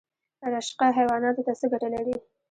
رشقه حیواناتو ته څه ګټه لري؟